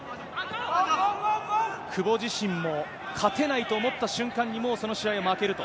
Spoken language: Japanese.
久保自身も勝てないと思った瞬間に、もうその試合は負けると。